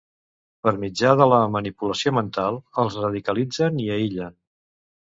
Per mitjà de la manipulació mental, els radicalitzen i aïllen.